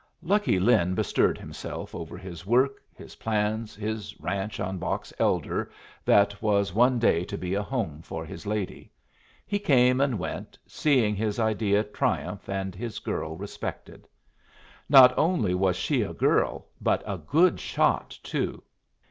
Lucky Lin bestirred him over his work, his plans, his ranch on Box Elder that was one day to be a home for his lady. He came and went, seeing his idea triumph and his girl respected. Not only was she a girl, but a good shot too.